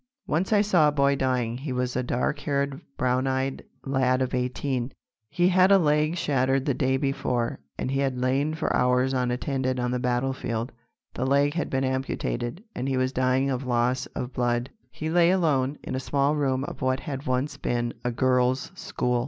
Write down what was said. Once I saw a boy dying. He was a dark haired, brown eyed lad of eighteen. He had had a leg shattered the day before, and he had lain for hours unattended on the battlefield. The leg had been amputated, and he was dying of loss of blood. He lay alone, in a small room of what had once been a girls' school.